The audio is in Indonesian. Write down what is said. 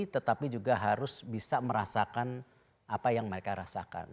tetapi juga harus bisa merasakan apa yang mereka rasakan